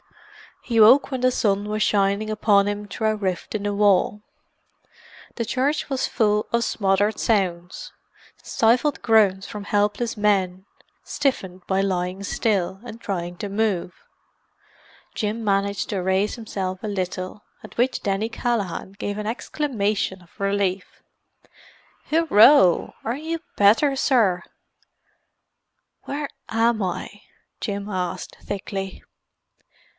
He woke when the sun was shining upon him through a rift in the wall. The church was full of smothered sounds—stifled groans from helpless men, stiffened by lying still, and trying to move. Jim managed to raise himself a little, at which Denny Callaghan gave an exclamation of relief. "Hurroo! Are you better, sir?" "Where am I?" Jim asked thickly.